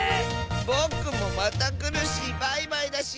ぼくもまたくるしバイバイだし！